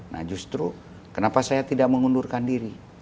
nah justru kenapa saya tidak mengundurkan diri